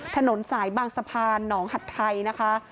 ถนนสายบางสะพานหนองหัดไทยนะคะ